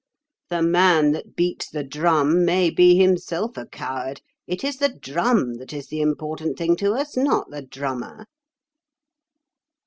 The man that beats the drum may be himself a coward. It is the drum that is the important thing to us, not the drummer."